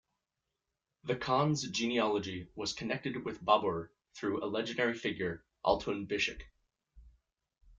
The Khans' genealogy was connected with Babur through a legendary figure, Altun Bishik.